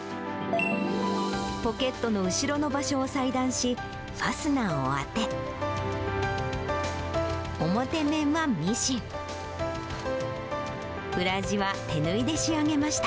ポケットの後ろの場所を裁断し、ファスナーを当て、表面はミシン、裏地は手縫いで仕上げました。